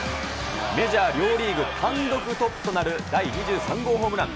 メジャー両リーグ単独トップとなる第２３号ホームラン。